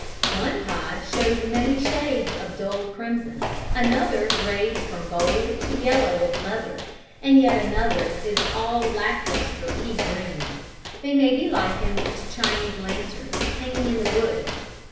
One pod shows many shades of dull crimson, another grades from gold to the yellow of leather, and yet another is all lack lustre pea green. They may be likened to Chinese lanterns hanging in the woods.